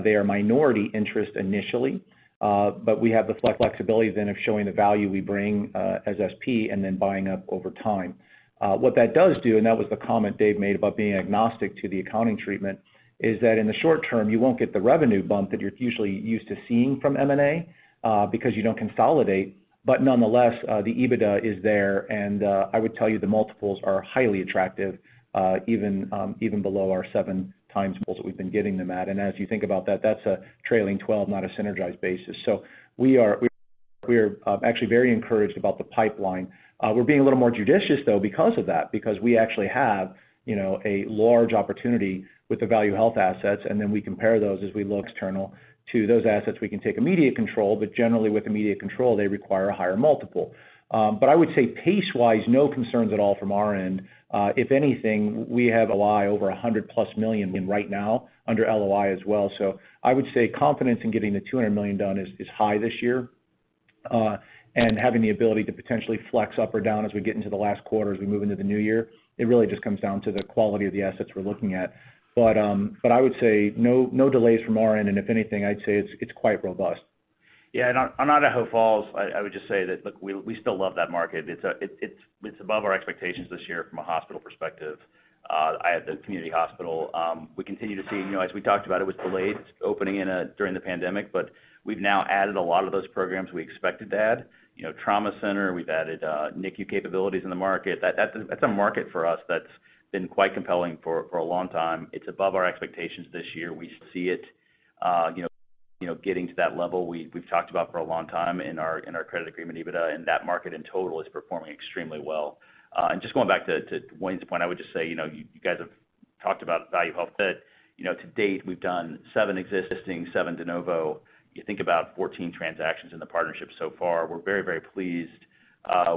They are minority interest initially, but we have the flexibility then of showing the value we bring, as SP and then buying up over time. What that does do, and that was the comment Dave made about being agnostic to the accounting treatment, is that in the short term, you won't get the revenue bump that you're usually used to seeing from M&A, because you don't consolidate. Nonetheless, the EBITDA is there, and I would tell you the multiples are highly attractive, even below our 7x multiples that we've been giving them at. As you think about that's a trailing 12, not a synergized basis. We are actually very encouraged about the pipeline. We're being a little more judicious though, because of that, because we actually have, you know, a large opportunity with the ValueHealth assets, and then we compare those as we look external to those assets we can take immediate control, but generally with immediate control, they require a higher multiple. I would say pace-wise, no concerns at all from our end. If anything, we have a LOI over $100+ million in right now under LOI as well. I would say confidence in getting the $200 million done is high this year, and having the ability to potentially flex up or down as we get into the last quarter as we move into the new year. It really just comes down to the quality of the assets we're looking at. I would say no delays from our end, and if anything, I'd say it's quite robust. On Idaho Falls, I would just say that, look, we still love that market. It's above our expectations this year from a hospital perspective. At the community hospital, we continue to see, you know, as we talked about, it was delayed opening during the pandemic, but we've now added a lot of those programs we expected to add. You know, trauma center, we've added NICU capabilities in the market. That's a market for us that's been quite compelling for a long time. It's above our expectations this year. We see it, you know, getting to that level we've talked about for a long time in our credit agreement, EBITDA, and that market in total is performing extremely well. Just going back to Wayne's point, I would just say, you know, you guys have talked about ValueHealth, but, you know, to date, we've done 7 existing, 7 de novo. You think about 14 transactions in the partnership so far. We're very, very pleased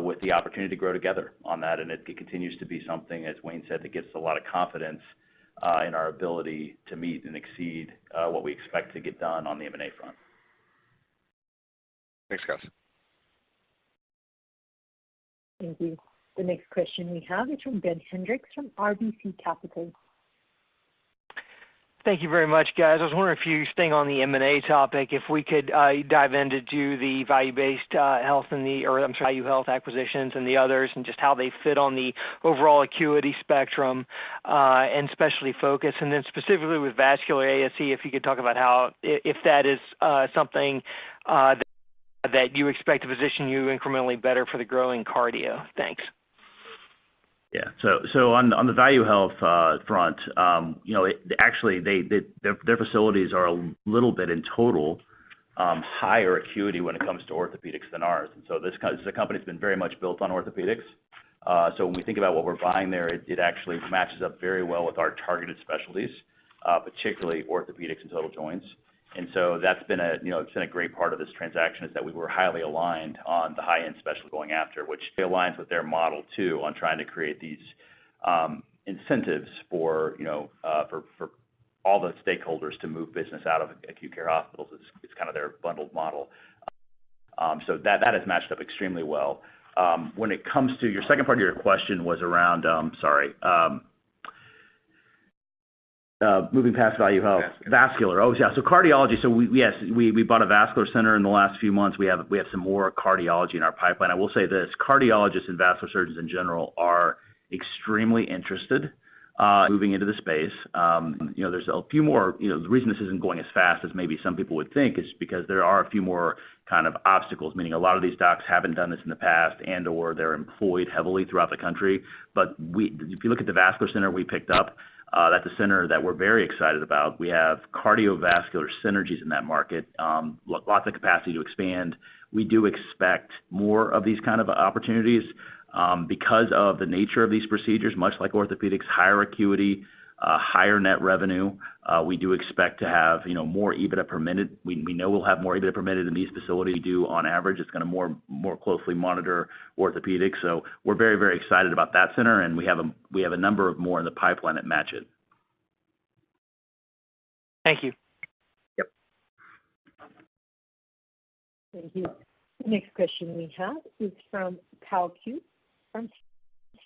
with the opportunity to grow together on that. It continues to be something, as Wayne said, that gives us a lot of confidence in our ability to meet and exceed what we expect to get done on the M&A front. Thanks, guys. Thank you. The next question we have is from Ben Hendrix from RBC Capital. Thank you very much, guys. I was wondering if you're staying on the M&A topic, if we could dive into ValueHealth acquisitions and the others and just how they fit on the overall acuity spectrum, and especially focus. Then specifically with vascular ASC, if you could talk about how if that is something that you expect to position you incrementally better for the growing cardio. Thanks. Yeah. On the ValueHealth front, you know, actually, their facilities are a little bit, in total, higher acuity when it comes to orthopedics than ours. The company's been very much built on orthopedics. When we think about what we're buying there, it actually matches up very well with our targeted specialties, particularly orthopedics and total joints. That's been, you know, a great part of this transaction is that we were highly aligned on the high-end specialty we're going after, which aligns with their model too, on trying to create these incentives for, you know, for all the stakeholders to move business out of acute care hospitals. It's kind of their bundled model. That has matched up extremely well. When it comes to your second part of your question was around moving past ValueHealth. Vascular. Vascular. Oh, yeah. Cardiology. Yes, we bought a vascular center in the last few months. We have some more cardiology in our pipeline. I will say this, cardiologists and vascular surgeons in general are extremely interested moving into the space. You know, there's a few more. You know, the reason this isn't going as fast as maybe some people would think is because there are a few more kind of obstacles. Meaning a lot of these docs haven't done this in the past and/or they're employed heavily throughout the country. If you look at the vascular center we picked up, that's a center that we're very excited about. We have cardiovascular synergies in that market, lots of capacity to expand. We do expect more of these kind of opportunities, because of the nature of these procedures, much like orthopedics, higher acuity, higher net revenue. We do expect to have, you know, more EBITDA per minute. We know we'll have more EBITDA per minute than these facilities do on average. It's gonna more closely mirror orthopedics. We're very excited about that center, and we have a number more in the pipeline that match it. Thank you. Yep. Thank you. Next question we have is from Tao Qiu from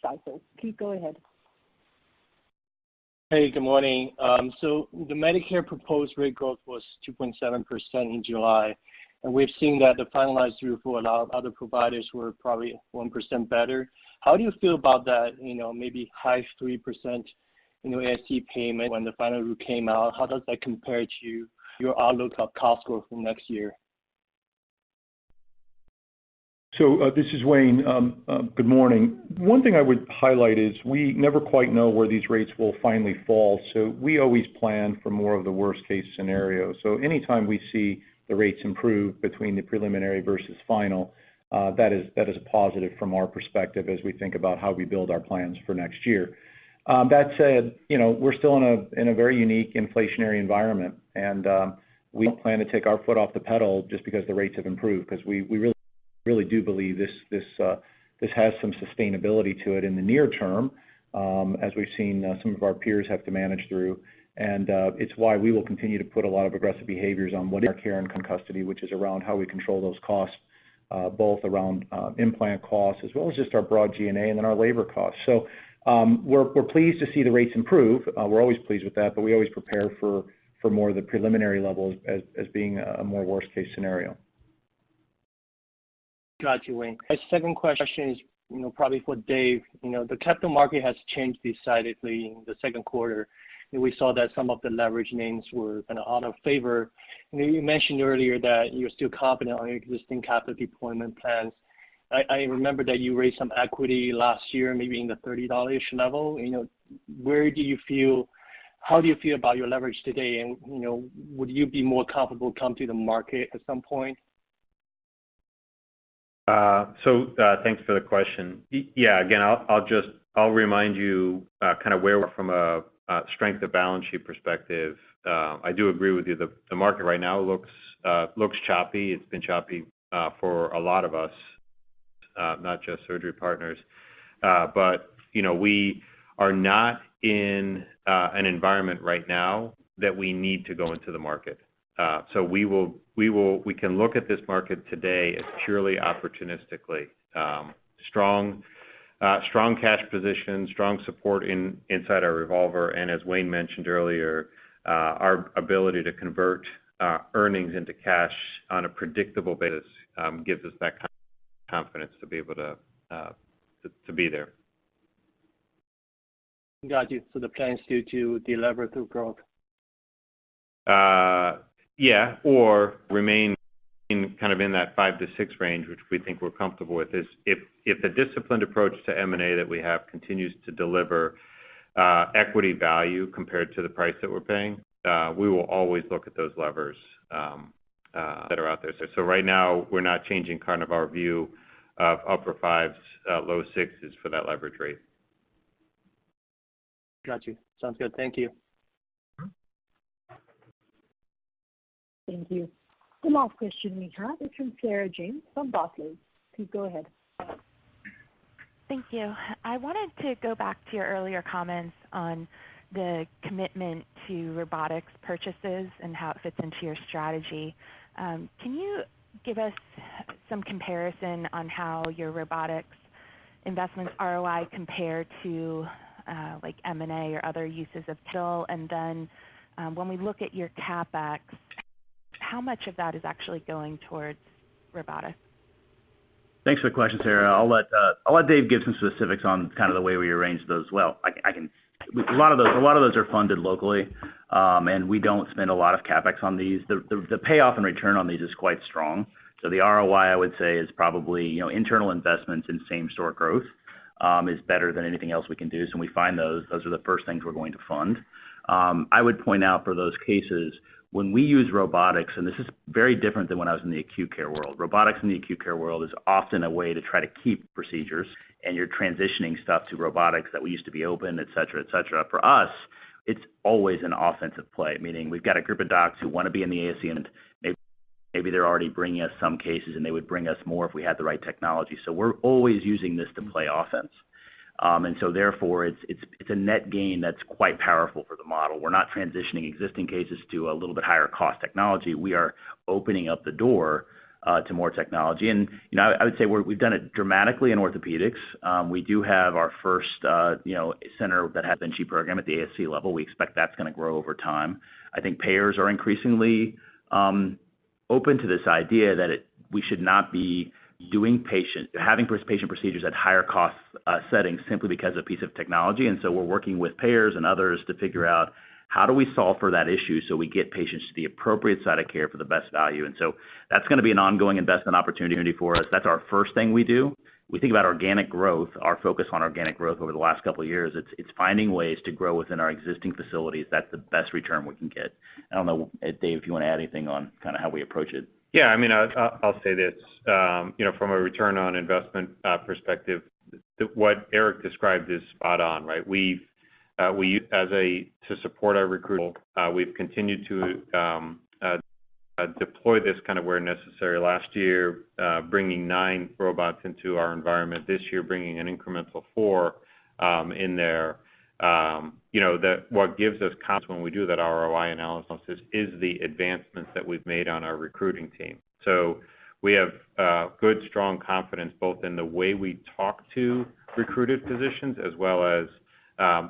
Stifel, go ahead. Hey, good morning. So the Medicare proposed rate growth was 2.7% in July, and we've seen that the finalized review for a lot of other providers were probably 1% better. How do you feel about that, you know, maybe high 3%, you know, ASC payment when the final rule came out? How does that compare to your outlook of cost growth for next year? This is Wayne. Good morning. One thing I would highlight is we never quite know where these rates will finally fall, so we always plan for more of the worst case scenario. Anytime we see the rates improve between the preliminary versus final, that is positive from our perspective as we think about how we build our plans for next year. That said, you know, we're still in a very unique inflationary environment, and we don't plan to take our foot off the pedal just because the rates have improved, 'cause we really do believe this has some sustainability to it in the near term, as we've seen some of our peers have to manage through. It's why we will continue to put a lot of aggressive behaviors on what is our care and custody, which is around how we control those costs, both around implant costs as well as just our broad G&A and then our labor costs. We're pleased to see the rates improve. We're always pleased with that, but we always prepare for more of the preliminary levels as being a more worst case scenario. Got you, Wayne. My second question is, you know, probably for Dave. You know, the capital market has changed decidedly in the second quarter, and we saw that some of the leverage names were kind of out of favor. You know, you mentioned earlier that you're still confident on your existing capital deployment plans. I remember that you raised some equity last year, maybe in the $30-ish level. You know, how do you feel about your leverage today? And, you know, would you be more comfortable coming to the market at some point? Thanks for the question. Yeah, again, I'll remind you kinda where we're from a strength of balance sheet perspective. I do agree with you. The market right now looks choppy. It's been choppy for a lot of us, not just Surgery Partners. You know, we are not in an environment right now that we need to go into the market. We can look at this market today as purely opportunistically. Strong cash position, strong support inside our revolver. As Wayne mentioned earlier, our ability to convert earnings into cash on a predictable basis gives us that confidence to be able to be there. Got you. The plan is due to deliver through growth. Remain in kind of that 5x-6x range, which we think we're comfortable with is if the disciplined approach to M&A that we have continues to deliver equity value compared to the price that we're paying, we will always look at those levers that are out there. Right now, we're not changing kind of our view of upper 5s, low 6s for that leverage rate. Got you. Sounds good. Thank you. Mm-hmm. Thank you. The last question we have is from Sarah James from Barclays. Please go ahead. Thank you. I wanted to go back to your earlier comments on the commitment to robotics purchases and how it fits into your strategy. Can you give us some comparison on how your robotics investments ROI compare to, like M&A or other uses of capital? When we look at your CapEx, how much of that is actually going towards robotics? Thanks for the question, Sarah. I'll let Dave give some specifics on kind of the way we arrange those. Well, a lot of those are funded locally, and we don't spend a lot of CapEx on these. The payoff and return on these is quite strong. The ROI, I would say, is probably internal investments in same store growth is better than anything else we can do. When we find those are the first things we're going to fund. I would point out for those cases, when we use robotics, and this is very different than when I was in the acute care world. Robotics in the acute care world is often a way to try to keep procedures, and you're transitioning stuff to robotics that we used to be open, et cetera, et cetera. For us, it's always an offensive play, meaning we've got a group of docs who wanna be in the ASC, and maybe they're already bringing us some cases, and they would bring us more if we had the right technology. We're always using this to play offense. Therefore, it's a net gain that's quite powerful for the model. We're not transitioning existing cases to a little bit higher cost technology. We are opening up the door to more technology. You know, I would say we've done it dramatically in orthopedics. We do have our first you know, center that has the Intuitive program at the ASC level. We expect that's gonna grow over time. I think payers are increasingly open to this idea that we should not be having first patient procedures at higher cost settings simply because of a piece of technology. We're working with payers and others to figure out how do we solve for that issue, so we get patients to the appropriate site of care for the best value. That's gonna be an ongoing investment opportunity for us. That's our first thing we do. We think about organic growth. Our focus on organic growth over the last couple of years, it's finding ways to grow within our existing facilities. That's the best return we can get. I don't know, Dave, if you wanna add anything on kinda how we approach it. Yeah, I mean, I'll say this, you know, from a return on investment perspective, what Eric described is spot on, right? We've continued to deploy this kind where necessary. Last year, bringing nine robots into our environment. This year, bringing an incremental four in there. You know, what gives us confidence when we do that ROI analysis is the advancements that we've made on our recruiting team. We have good, strong confidence both in the way we talk to recruited physicians as well as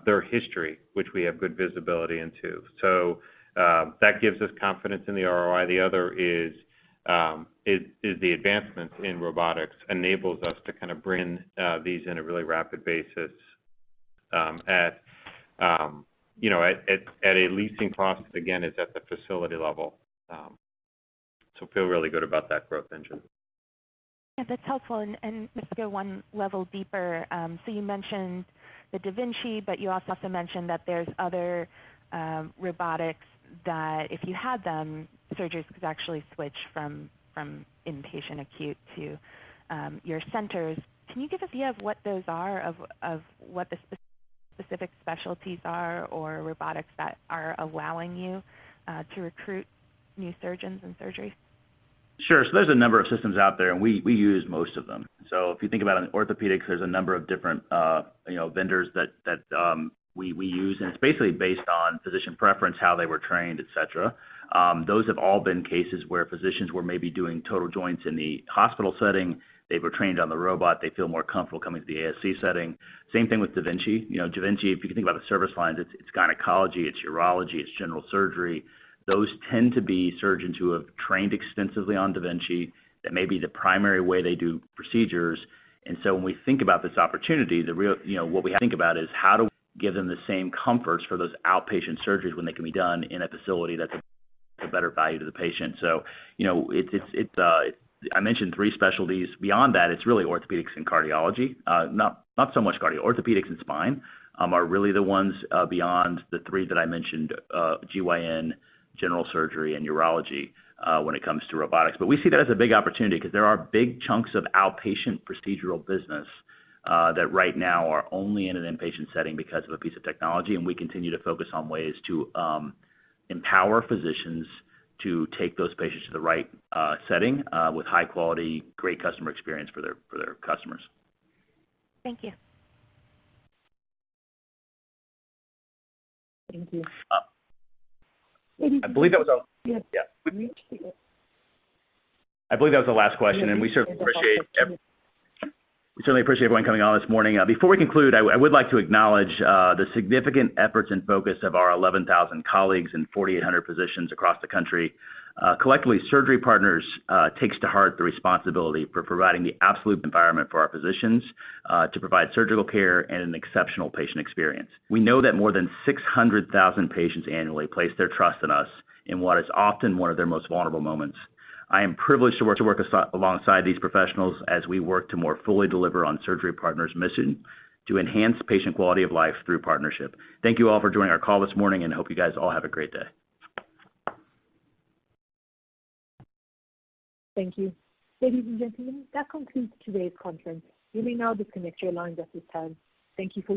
their history, which we have good visibility into. That gives us confidence in the ROI. The other is the advancements in robotics enables us to kinda bring these in a really rapid basis, at you know, at a leasing cost, again, it's at the facility level. Feel really good about that growth engine. Yeah, that's helpful. Just to go one level deeper, so you mentioned the da Vinci, but you also mentioned that there's other robotics that if you had them, surgeries could actually switch from inpatient acute to your centers. Can you give us view of what those are of what the specific specialties are or robotics that are allowing you to recruit new surgeons and surgeries? Sure. There's a number of systems out there, and we use most of them. If you think about in orthopedics, there's a number of different, you know, vendors that we use, and it's basically based on physician preference, how they were trained, et cetera. Those have all been cases where physicians were maybe doing total joints in the hospital setting. They were trained on the robot. They feel more comfortable coming to the ASC setting. Same thing with da Vinci. You know, da Vinci, if you can think about the service lines, it's gynecology, it's urology, it's general surgery. Those tend to be surgeons who have trained extensively on da Vinci. That may be the primary way they do procedures. When we think about this opportunity, the real. You know, what we think about is how do we give them the same comforts for those outpatient surgeries when they can be done in a facility that's a better value to the patient. You know, I mentioned three specialties. Beyond that, it's really orthopedics and cardiology, not so much cardio. Orthopedics and spine are really the ones beyond the three that I mentioned, GYN, general surgery and urology, when it comes to robotics. But we see that as a big opportunity 'cause there are big chunks of outpatient procedural business that right now are only in an inpatient setting because of a piece of technology, and we continue to focus on ways to empower physicians to take those patients to the right setting with high quality, great customer experience for their customers. Thank you. Thank you. I believe that was all. Yes. Yeah. I believe that was the last question, and we certainly appreciate everyone coming on this morning. Before we conclude, I would like to acknowledge the significant efforts and focus of our 11,000 colleagues in 4,800 positions across the country. Collectively, Surgery Partners takes to heart the responsibility for providing the absolute environment for our physicians to provide surgical care and an exceptional patient experience. We know that more than 600,000 patients annually place their trust in us in what is often one of their most vulnerable moments. I am privileged to work alongside these professionals as we work to more fully deliver on Surgery Partners' mission to enhance patient quality of life through partnership. Thank you all for joining our call this morning, and I hope you guys all have a great day. Thank you. Ladies and gentlemen, that concludes today's conference. You may now disconnect your lines at this time. Thank you for your participation.